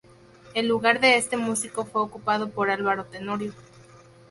El lugar de este músico fue ocupado por Álvaro Tenorio.